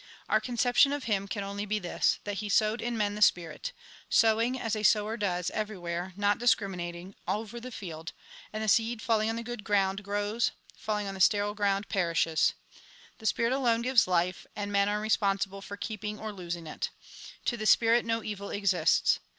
Our conception of Him can only be this, that He sowed in men the Spirit ; sowing, as a sower does, everywhere, not discriminating, over the field ; and the seed, falling on good ground, grows, falling on sterile ground, perishes. A RECAPITULATION 175 " The Spirit alone gives life, and men are respon sible for keeping or losing it. To the Spirit, no evil exists.